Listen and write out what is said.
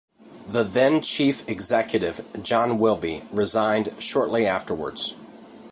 The then-chief executive, John Wilby, resigned shortly afterwards.